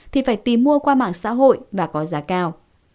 thì phải tìm mua qua mạng xã hội và có giá cao